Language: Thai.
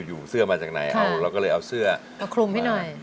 อยู่เสื้อมาจากไหนเอาเราก็เลยเอาเสื้อมาคลุมให้หน่อย